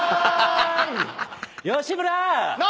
吉村！